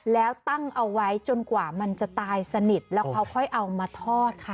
แล้วตั้งเอาไว้จนกว่ามันจะตายสนิทแล้วเขาค่อยเอามาทอดค่ะ